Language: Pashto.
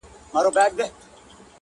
الاهو دي نازولي دي غوږونه؟!!.